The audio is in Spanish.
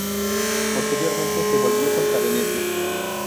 Posteriormente se volvió contra Venecia.